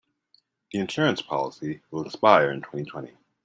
The insurance policy will expire in twenty-twenty.